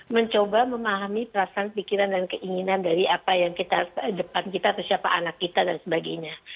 mencoba memahami perasaan pikiran dan keinginan dari apa yang kita depan kita atau siapa anak kita dan sebagainya